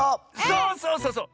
そうそうそうそう！